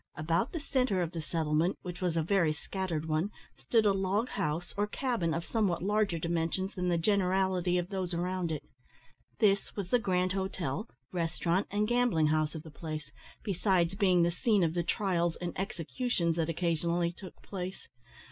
About the centre of the settlement, which was a very scattered one, stood a log house or cabin, of somewhat larger dimensions than the generality of those around it. This was the grand hotel, restaurant, and gambling house of the place, besides being the scene of the trials and executions that occasionally took place.